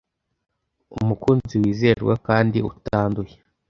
umukunzi wizerwa kandi utanduye